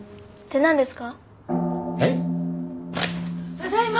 ただいま。